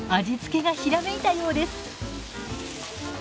味付けがひらめいたようです。